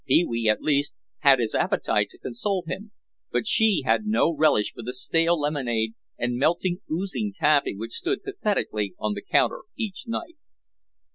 Pee wee, at least, had his appetite to console him, but she had no relish for the stale lemonade and melting, oozy taffy which stood pathetically on the counter each night.